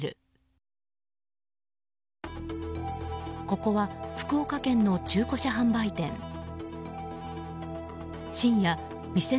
ここは福岡県の中古車販売店。